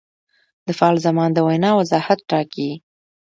د فعل زمان د وینا وضاحت ټاکي.